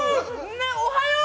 ねえ、おはよう。